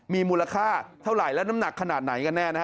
มีมูลค่าเท่าไหร่และน้ำหนักขนาดไหนกันแน่นะฮะ